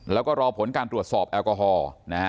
แล้วก็รอผลการตรวจสอบแอลกอฮอล์นะฮะ